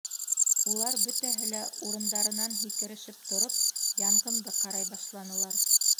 Улар бөтәһе лә, урындарынан һикерешеп тороп, янғынды ҡарай башланылар.